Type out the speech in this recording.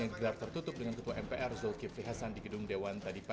ya nggak usah dibikin yang penting wapres